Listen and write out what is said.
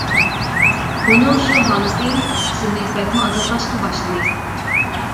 ئۇنىڭ شۇ ھالىتى سېنى بەكمۇ ئازابلاشقا باشلىدى.